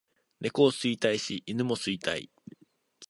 猫を吸いたいし犬も吸いたい